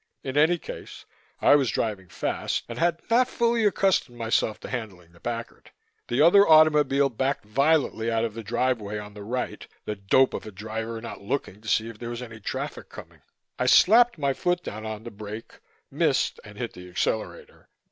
In any case, I was driving fast and had not fully accustomed myself to handling the Packard. The other automobile backed violently out of the driveway on the right, the dope of a driver not looking to see if there was any traffic coming. I slapped my foot down on the brake, missed and hit the accelerator.